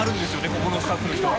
ここのスタッフの人は。